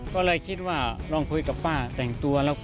ก็เลยคิดว่าลองคุยกับป้าแต่งตัวแล้ว